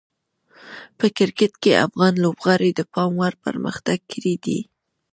په کرکټ کې افغان لوبغاړي د پام وړ پرمختګ کړی دی.